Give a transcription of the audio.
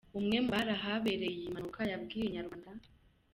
Umwe muri bari bari ahabereye iyi mpanuka, yabwiye Inyarwanda.